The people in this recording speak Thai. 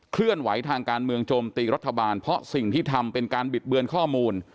เคลื่อนไหวทางการเมืองโจมตีรัฐบาลเพราะสิ่งที่ทำเป็นการบิดเบือนข้อมูล